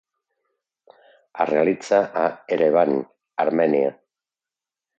Es realitza a Erevan, Armènia.